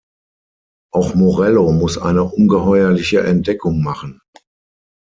Auch Morello muss eine ungeheuerliche Entdeckung machen.